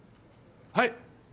はい。